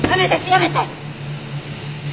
やめて！